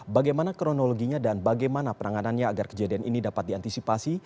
bagaimana kronologinya dan bagaimana penanganannya agar kejadian ini dapat diantisipasi